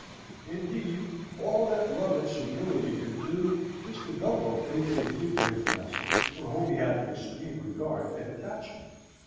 Indeed all that love and servility could do Mr. Gumbo faithfully did for his master, for whom he had an extreme regard and attachment.